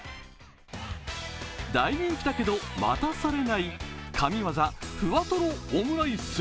大人気だけど待たされない、神業ふわとろオムライス。